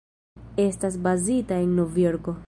Estas bazita en Novjorko.